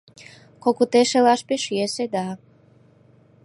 Кокыте шелаш пеш йӧсӧ да.